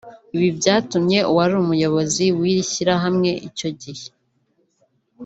Ibi byatumye uwari umuyobozi w’iri shyirahamwe icyo gihe